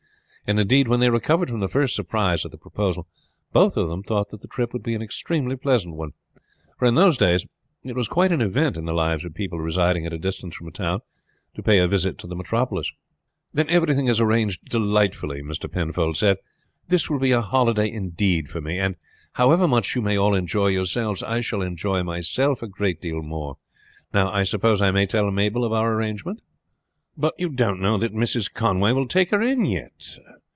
And, indeed, when they recovered from the first surprise at the proposal, both of them thought that the trip would be an extremely pleasant one; for in those days it was quite an event in the lives of people residing at a distance from a town to pay a visit to the metropolis. "Then everything is arranged delightfully," Mr. Penfold said. "This will be a holiday indeed for me; and however much you may all enjoy yourselves I shall enjoy myself a great deal more. Now, I suppose I may tell Mabel of our arrangement?" "But you don't know that Mrs. Conway will take her in yet.